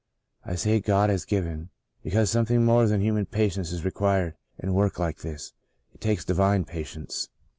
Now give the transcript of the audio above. I say God has given, because something more than human patience is required in work like this. It takes divine patience.